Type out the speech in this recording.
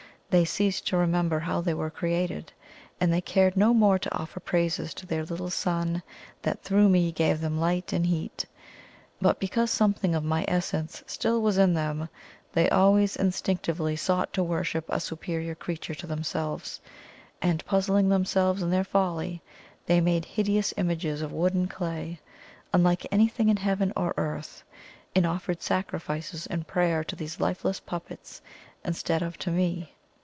They ceased to remember how they were created, and they cared no more to offer praises to their little sun that through me gave them light and heat. But because something of my essence still was in them, they always instinctively sought to worship a superior creature to themselves; and puzzling themselves in their folly, they made hideous images of wood and clay, unlike anything in heaven or earth, and offered sacrifices and prayer to these lifeless puppets instead of to me.